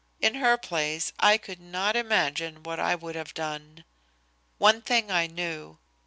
In her place I could not imagine what I would have done. One thing I knew.